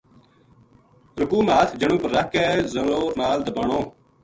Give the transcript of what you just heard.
رکوع ما ہتھ جنو اپر رکھ کے زور نال دبانو۔